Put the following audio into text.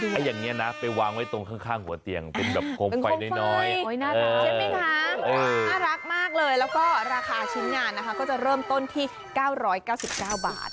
ถ้าอย่างนี้นะไปวางไว้ตรงข้างหัวเตียงเป็นแบบโคมไฟน้อยน่ารักใช่ไหมคะน่ารักมากเลยแล้วก็ราคาชิ้นงานนะคะก็จะเริ่มต้นที่๙๙๙บาท